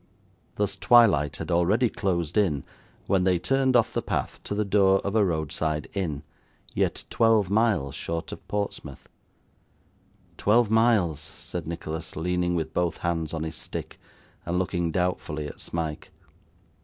Thus, twilight had already closed in, when they turned off the path to the door of a roadside inn, yet twelve miles short of Portsmouth. 'Twelve miles,' said Nicholas, leaning with both hands on his stick, and looking doubtfully at Smike.